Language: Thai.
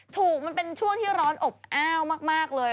มันเป็นช่วงที่ร้อนอบอ้าวมากเลย